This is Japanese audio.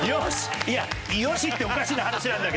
「よし！」っておかしな話なんだけど。